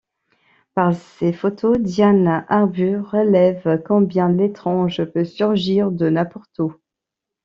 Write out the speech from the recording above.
Par ses photos, Diane Arbus révèle combien l'étrange peut surgir de n'importe où.